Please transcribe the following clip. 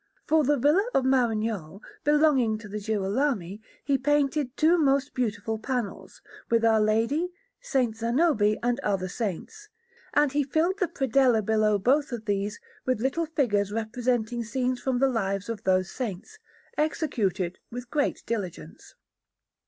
For the Villa of Marignolle, belonging to the Girolami, he painted two most beautiful panels, with Our Lady, S. Zanobi, and other saints; and he filled the predella below both of these with little figures representing scenes from the lives of those saints, executed with great diligence.